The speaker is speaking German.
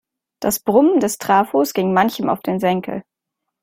Das Brummen des Trafos ging manchem auf den Senkel.